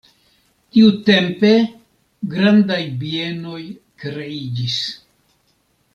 Tiutempe grandaj bienoj kreiĝis.